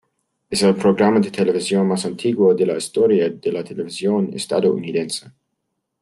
Es el programa de televisión más antiguo de la historia de la televisión estadounidense.